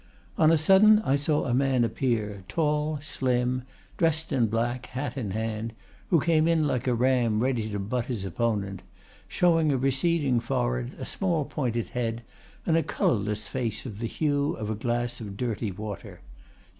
"On a sudden I saw a man appear, tall, slim, dressed in black, hat in hand, who came in like a ram ready to butt his opponent, showing a receding forehead, a small pointed head, and a colorless face of the hue of a glass of dirty water.